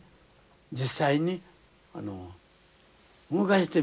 実際に動かしてみると。